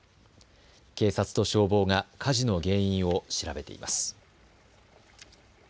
警察と消防が火事の原因を調べています。